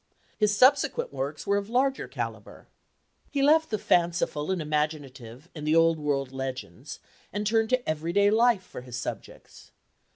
His subsequent works were of larger calibre. He left the fanciful and imaginative and the old world legends, and turned to everyday life for his subjects.